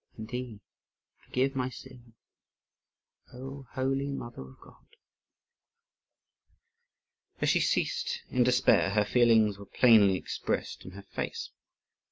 and thee forgive my sin O holy mother of God!" As she ceased in despair, her feelings were plainly expressed in her face.